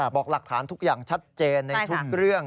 บอกหลักฐานทุกอย่างชัดเจนในทุกเรื่อง